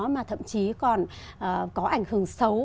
mà thậm chí còn có ảnh hưởng xấu